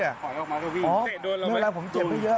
อ๋อเรื่องอะไรผมเจ็บไม่เยอะ